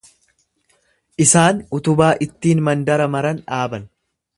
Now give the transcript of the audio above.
Isaan utubaa ittiin mandara maran dhaaban.